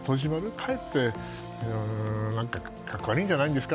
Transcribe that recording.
かえって格好悪いんじゃないですか。